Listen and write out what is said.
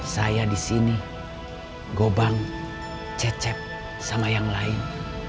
saya di sini gobang cecep sama yang lain